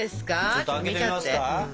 ちょっと開けてみますか？